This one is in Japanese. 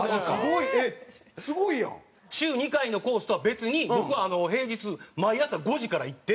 週２回のコースとは別に僕は平日毎朝５時から行って。